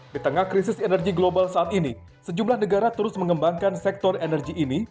di tengah krisis energi global saat ini sejumlah negara terus mengembangkan sektor energi ini